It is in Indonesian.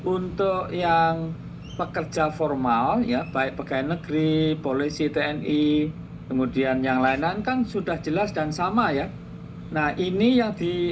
untuk yang pekerjaan ini kan yang di phs lima puluh sembilan tahun dua ribu dua puluh empat ya